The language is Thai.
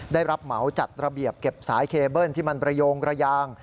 ได้รับเหมาจัดระเบียบเก็บสายเคเบิ้ลที่มันระโยงระยาง